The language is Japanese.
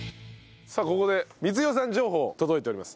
さあここで光代さん情報届いております。